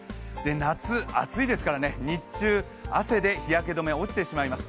夏、暑いですからね、日中、汗で日焼け止め落ちてしまいます。